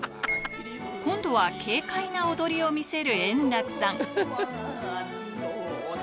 今度は軽快な踊りを見せる円楽さん。